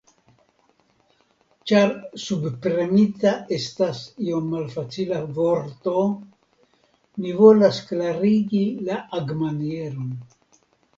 Ĉar subpremita estas iom malfacila vorto, mi volas klarigi la agmanieron.